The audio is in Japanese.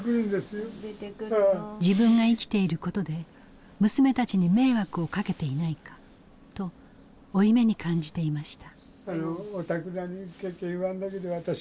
自分が生きていることで娘たちに迷惑をかけていないかと負い目に感じていました。